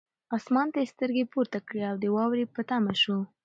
اسمان ته یې سترګې پورته کړې او د واورې په تمه شو.